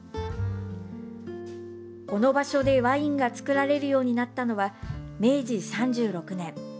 この場所でワインが造られるようになったのは明治３６年。